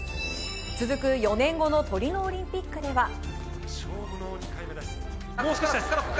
続く４年後のトリノオリンピックでは。